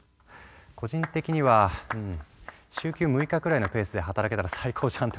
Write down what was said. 個人的には週休６日くらいのペースで働けたら最高じゃんって思うんだけど。